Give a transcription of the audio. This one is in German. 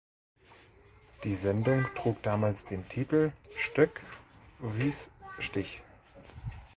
Die Sendung trug damals den Titel Stöck–Wys–Stich.